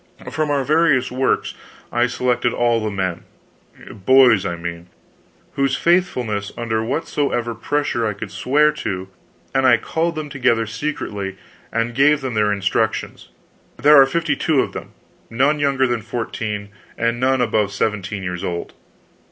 From our various works I selected all the men boys I mean whose faithfulness under whatsoever pressure I could swear to, and I called them together secretly and gave them their instructions. There are fifty two of them; none younger than fourteen, and none above seventeen years old."